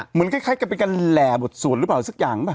เหมือนกับคล้ายกับเป็นการแหล่บทสวดหรือเปล่าสักอย่างป่